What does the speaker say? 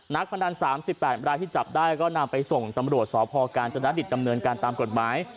พนัน๓๘รายที่จับได้ก็นำไปส่งตำรวจสพกาญจนดิตดำเนินการตามกฎหมาย